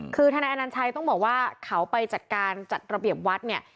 คือทนายอนัญชัยต้องบอกว่าเขาไปจัดการจัดระเบียบวัดเนี่ย